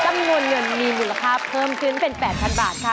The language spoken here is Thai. จำนวนเงินมีมูลค่าเพิ่มขึ้นเป็น๘๐๐๐บาทค่ะ